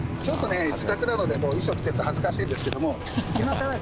ちょっとね自宅なので衣装着てると恥ずかしいんですけども。